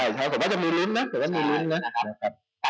ใช่ผมว่าจะมีลุ้นนะ